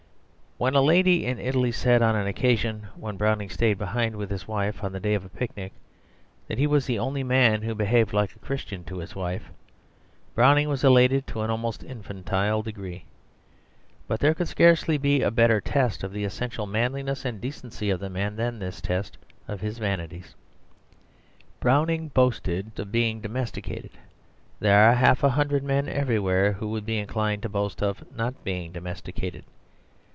When a lady in Italy said, on an occasion when Browning stayed behind with his wife on the day of a picnic, that he was "the only man who behaved like a Christian to his wife," Browning was elated to an almost infantile degree. But there could scarcely be a better test of the essential manliness and decency of a man than this test of his vanities. Browning boasted of being domesticated; there are half a hundred men everywhere who would be inclined to boast of not being domesticated.